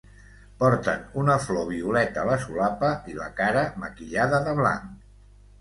Porten una flor violeta a la solapa i la cara maquillada de blanc.